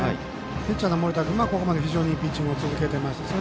ピッチャーの盛田君がここまで非常にいいピッチング続けています。